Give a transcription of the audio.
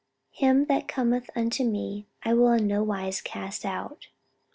'Him that cometh unto me, I will in no wise cast out.'"